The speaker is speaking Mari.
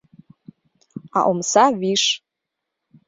А омса виш.